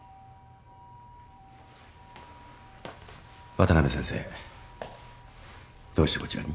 渡辺先生どうしてこちらに？